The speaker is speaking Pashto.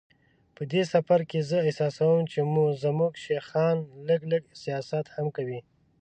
په دې سفر کې زه احساسوم چې زموږ شیخان لږ لږ سیاست هم کوي.